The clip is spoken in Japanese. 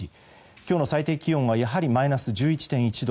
今日の最低気温はやはりマイナス１１．１度